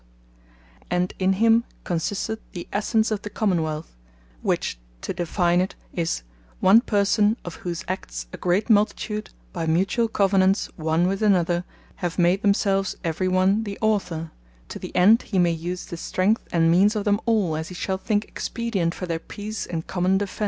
The Definition Of A Common wealth And in him consisteth the Essence of the Common wealth; which (to define it,) is "One Person, of whose Acts a great Multitude, by mutuall Covenants one with another, have made themselves every one the Author, to the end he may use the strength and means of them all, as he shall think expedient, for their Peace and Common Defence."